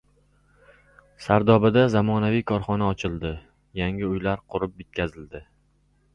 Sardobada zamonaviy korxona ochildi, yangi uylar qurib bitkazildi